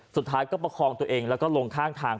สุดท้ายก็ประคองตัวเองแล้วก็ลงข้างทาง